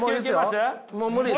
もう無理っす。